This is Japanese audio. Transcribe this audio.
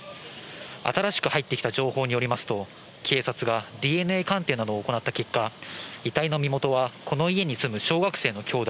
新しく入ってきた情報によりますと、警察がＤＮＡ鑑定などを行った結果、遺体の身元は、この家に住む小学生の兄弟、